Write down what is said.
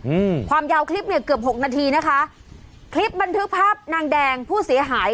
อืมความยาวคลิปเนี้ยเกือบหกนาทีนะคะคลิปบันทึกภาพนางแดงผู้เสียหาย